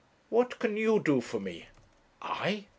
What can you do for me?' 'I?'